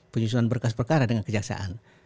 penyusunan berkas perkara dengan kejaksaan